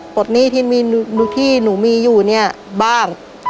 ปลดหนี้ที่หนูมีอยู่บ้าง